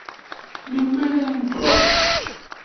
Melmi ara n-truḥem?